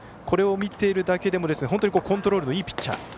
これを見ているだけでも本当にコントロールのいいピッチャー。